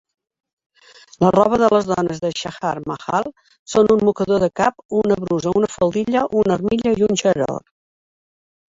La roba de les dones de Chahar Mahall són un mocador de cap, una brusa, una faldilla, una armilla i un xador.